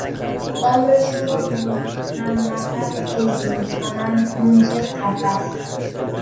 عمرشونو بی همنفس کز می کنن کنج قفس